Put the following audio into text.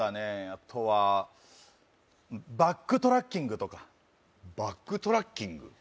あとはバックトラッキングとかバックトラッキング？